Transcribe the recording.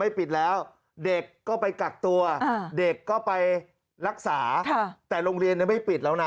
ปิดแล้วเด็กก็ไปกักตัวเด็กก็ไปรักษาแต่โรงเรียนไม่ปิดแล้วนะ